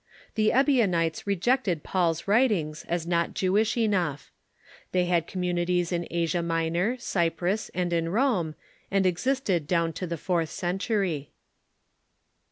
The Ebionites rejected Paul's writings, as not Jewish enough. They had communi KIJIONISM AND GNOSTICISM 27 ties in Asia Minor, C3'i)rus, and in Rome, and existed down to the fourth century.